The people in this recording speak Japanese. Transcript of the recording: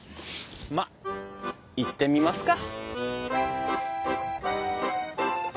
まあ行ってみますか。